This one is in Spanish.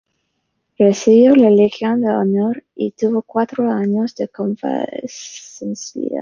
Recibió la Legión de Honor y tuvo cuatro años de convalecencia.